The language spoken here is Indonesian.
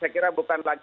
saya kira bukan terorisme